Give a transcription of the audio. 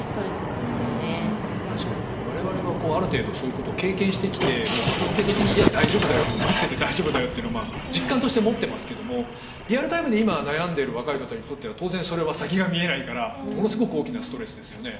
われわれはある程度そういうことを経験してきてもう後付け的にいや大丈夫だよ待ってて大丈夫だよっていうのは実感として持ってますけどもリアルタイムで今悩んでいる若い人たちにとっては当然それは先が見えないからものすごく大きなストレスですよね。